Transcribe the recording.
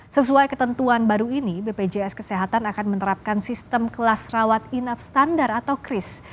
sesuai ketentuan baru ini bpjs kesehatan akan menerapkan sistem kelas rawat inap standar atau kris